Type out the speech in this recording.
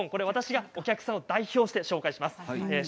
私がお客さんを代表して紹介します。